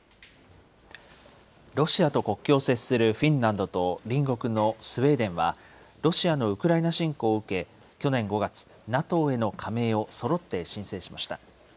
ロシアと国境を接するフィンランドと隣国のスウェーデンは、ロシアのウクライナ侵攻を受け、去年５月、ＮＡＴＯへの加盟をそろって申請しました。